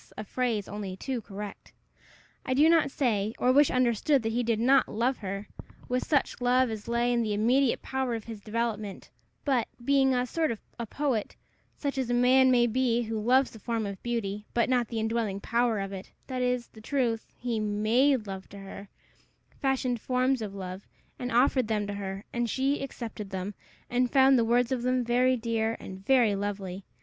a phrase only too correct. I do not say, or wish understood, that he did not love her with such love as lay in the immediate power of his development; but, being a sort of a poet, such as a man may be who loves the form of beauty, but not the indwelling power of it, that is, the truth, he made love to her fashioned forms of love, and offered them to her; and she accepted them, and found the words of them very dear and very lovely.